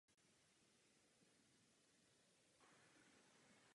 Na severním okraji města ústí zleva do toku Lachiš.